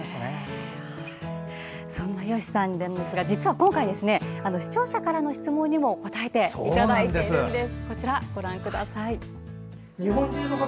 そんな吉さん、実は今回視聴者からの質問にも答えていただいているんです。